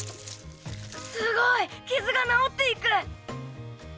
すごい！傷が治っていく！